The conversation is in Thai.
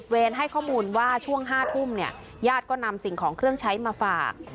๑๐เวนให้ข้อมูลว่าช่วง๕ทุ่มยาดก็นำสิ่งของเครื่องใช้มาฝาก